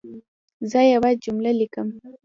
زه یوه جمله لیکم.